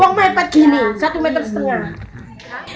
uang mepet gini satu meter setengah